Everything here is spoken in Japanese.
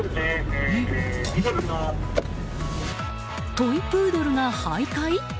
トイプードルが徘徊？